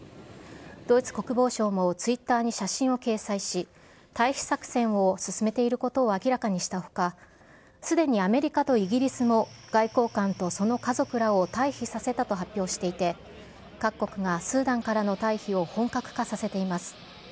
ドイツ国防省もツイッターに写真を掲載し、退避作戦を進めていることを明らかにしたほか、すでにアメリカとイギリスも外交官とその家族らを退避させたと発表していて、各国がスーダンからの退避を本格化させています。